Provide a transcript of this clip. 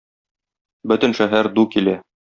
Бөтен шәһәр ду килә.